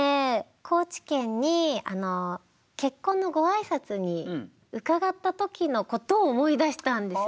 高知県に結婚のご挨拶に伺った時のことを思い出したんですよね。